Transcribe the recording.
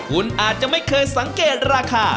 คุณอาจจะไม่เคยสังเกตราคา